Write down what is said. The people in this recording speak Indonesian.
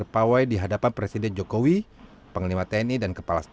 pasang mieuxkan clans disuruh balas